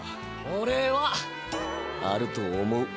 おれはあると思う。